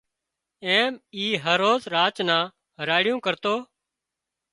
ايم اي هروز راچا نان راڙيون ڪرتو